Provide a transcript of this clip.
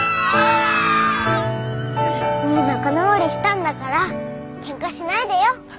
もう仲直りしたんだからケンカしないでよ。